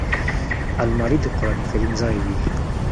الماري د قران کریم ځای وي